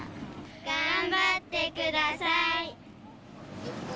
頑張ってください。